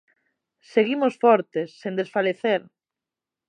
Seguimos fortes, sen desfalecer!